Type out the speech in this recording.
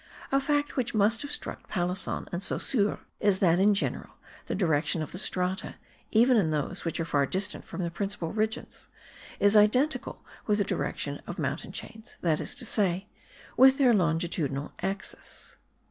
A fact which must have struck Palasson and Saussure is that in general the direction of the strata, even in those which are far distant from the principal ridges, is identical with the direction of mountain chains; that is to say, with their longitudinal axis.